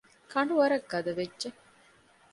ކަނޑުވަރަށް ގަދަ ވެއްޖެ